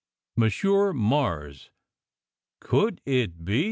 Monsieur Mars! Could it be.